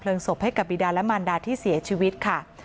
ศพให้กับบีดาและมันดาที่เสียชีวิตค่ะ